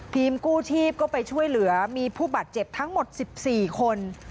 กู้ชีพก็ไปช่วยเหลือมีผู้บาดเจ็บทั้งหมด๑๔คน